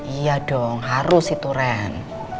iya dong harus itu ren